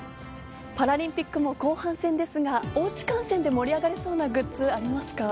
パラリンピックも後半戦ですがお家観戦で盛り上がれそうなグッズありますか？